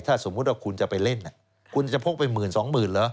ถ้าสมมุติว่าคุณจะไปเล่นคุณจะพกไปหมื่นสองหมื่นเหรอ